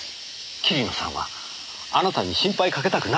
桐野さんはあなたに心配かけたくなかったんです。